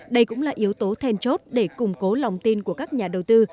đây cũng là yếu tố then chốt để củng cố lòng tin của các nhà đầu tư